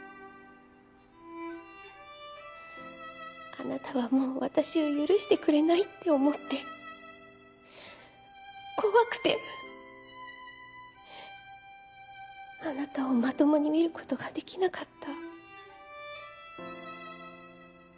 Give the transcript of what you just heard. あなたはもう私を許してくれないって思って怖くてあなたをまともに見ることができなかった。